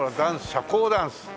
社交ダンス。